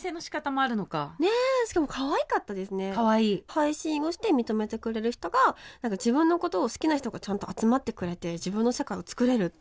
配信をして認めてくれる人が何か自分のことを好きな人がちゃんと集まってくれて自分の世界を作れるって。